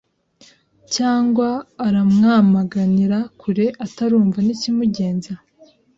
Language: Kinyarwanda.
cg aramwamaganira kure atarumva nikimugenza